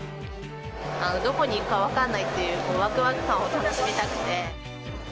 どこに行くか分からないっていうわくわく感を楽しみたくて。